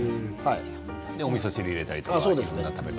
おみそ汁に入れたりとかいろいろな食べ方？